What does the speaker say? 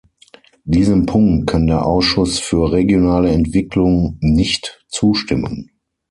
Diesem Punkt kann der Ausschuss für regionale Entwicklung nicht zustimmen.